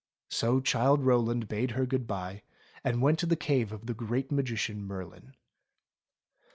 So Childe Rowland bade her good bye and went to the cave of the Great Magician Merlin.